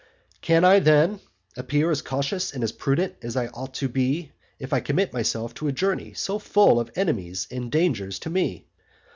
Can I, then, appear as cautious and as prudent as I ought to be if I commit myself to a journey so full of enemies and dangers to me?